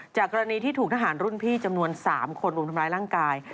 กรณีที่ถูกทหารรุ่นพี่จำนวน๓คนรุมทำร้ายร่างกาย